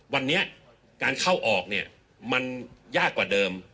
วันนี้การเข้าออกเนี่ยมันยากกว่าเดิม